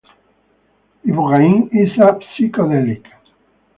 Ibogaine is a psychedelic.